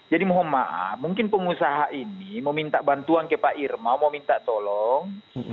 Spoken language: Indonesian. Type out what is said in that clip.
jadi mohon maaf mungkin pengusaha ini mau minta bantuan ke pak irma mau minta tolong